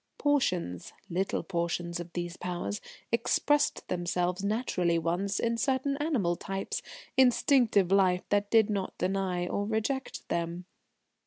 Portions little portions of these Powers expressed themselves naturally once in certain animal types, instinctive life that did not deny or reject them.